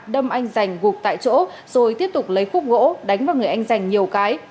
đâm anh dành gục tại chỗ rồi tiếp tục lấy cúp gỗ đánh vào người anh dành nhiều cái